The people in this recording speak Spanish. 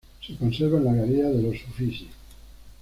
Se conserva en la Galería de los Uffizi.